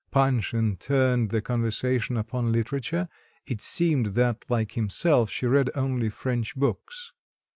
Panshin turned the conversation upon literature; it seemed that, like himself, she read only French books.